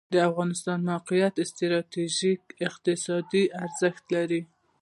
د افغانستان موقعیت ستراتیژیک اقتصادي ارزښت لري